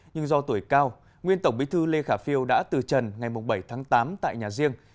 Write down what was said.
nhưng do tuổi cao nguyên tổng bí thư lê khả phiêu đã từ trần ngày bảy tháng tám tại nhà riêng